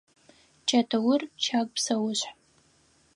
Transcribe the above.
Чэтыур – щагу псэушъхь.